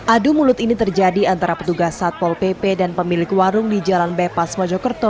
adu mulut ini terjadi antara petugas satpol pp dan pemilik warung di jalan bypass mojokerto